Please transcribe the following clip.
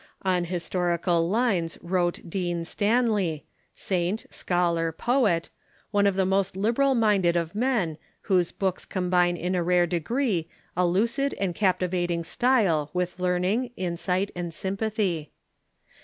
On historical lines Avrought Dean Stanley — saint, scholar, poet — one of the most liberal minded of men, Avhosc books combine in a rare degree a lucid and captivating style with learning, insight, and sympathy.